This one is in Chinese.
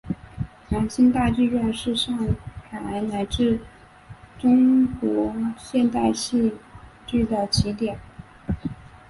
兰心大戏院是上海乃至中国现代戏剧的起点。